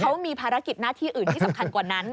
เขามีภารกิจหน้าที่อื่นที่สำคัญกว่านั้น